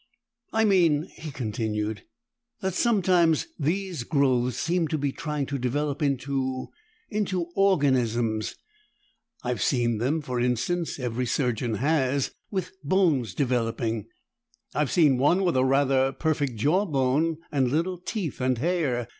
"I mean," he continued, "that sometimes these growths seem to be trying to develop into into organisms. I've seen them, for instance every surgeon has with bones developing. I've seen one with a rather perfect jaw bone, and little teeth, and hair.